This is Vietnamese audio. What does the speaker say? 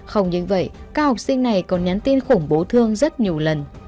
không những vậy các học sinh này còn nhắn tin khủng bố thương rất nhiều lần